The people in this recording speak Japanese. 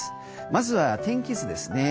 まずは天気図です。